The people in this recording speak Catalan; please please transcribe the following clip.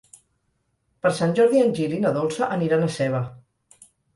Per Sant Jordi en Gil i na Dolça aniran a Seva.